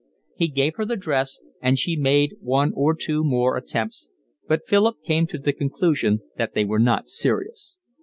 He gave her the dress, and she made one or two more attempts, but Philip came to the conclusion that they were not serious.